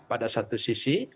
pada satu sisi